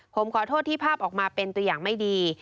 ผมขอโทษที่ภาพออกมาเป็นตัวอย่างไม่ดี